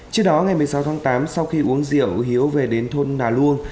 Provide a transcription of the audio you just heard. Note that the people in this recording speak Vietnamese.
trước đó ngày một mươi sáu tháng tám sau khi uống rượu hiếu về đến thôn nà luông